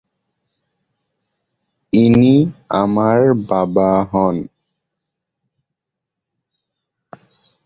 ইনি আমার বাবা হন।